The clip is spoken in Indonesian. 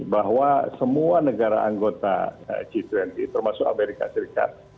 bahwa semua negara anggota g dua puluh termasuk amerika serikat